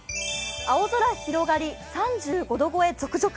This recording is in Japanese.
青空広がり３５度超え続々。